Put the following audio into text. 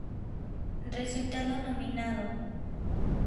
Resultado: Nominado.